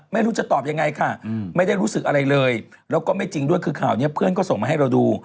ไม่รู้จะตอบยังไงค่ะไม่ได้รู้สึกอะไรเลยแล้วก็ไม่จริงด้วยคือข่าวนี้เพื่อนก็ส่งมาให้เราดู